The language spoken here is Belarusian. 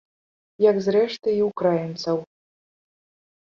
Як, зрэшты, і ўкраінцаў.